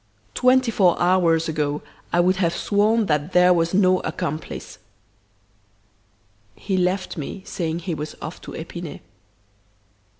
Twenty four hours ago I would have sworn that there was no accomplice!' He left me saying he was off to Epinay."